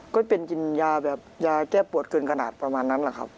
ก็เป็นกินยาแบบยาแก้ปวดเกินขนาดประมาณนั้นแหละครับ